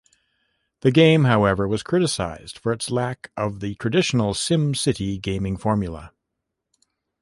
The game however was criticized for its lack of the traditional SimCity gaming formula.